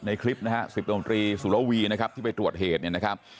ในคลิปนะฮะศิษย์โดมตรีสุรวีนะครับที่ไปตรวจเหตุนะครับ